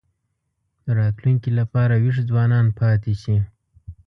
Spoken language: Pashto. د راتلونکي لپاره وېښ ځوانان پاتې شي.